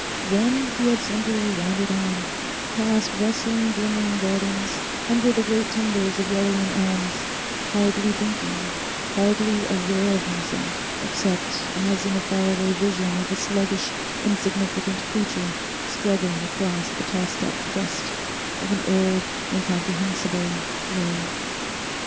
Then he had simply wandered on, past rustling glimmering gardens, under the great timbers of yellowing elms, hardly thinking, hardly aware of himself except as in a far away vision of a sluggish insignificant creature struggling across the tossed up crust of an old, incomprehensible world.